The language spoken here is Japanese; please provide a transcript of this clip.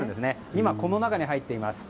今、この中に入っています。